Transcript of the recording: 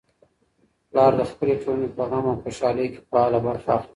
پلار د خپلې ټولنې په غم او خوشالۍ کي فعاله برخه اخلي.